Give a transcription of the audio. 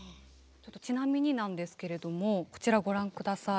ちなみになんですけれどもこちらご覧下さい。